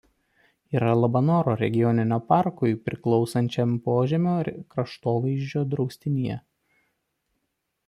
Yra Labanoro regioninio parkui priklausančiam Pažemio kraštovaizdžio draustinyje.